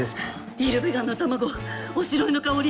イルベガンの卵おしろいの香り。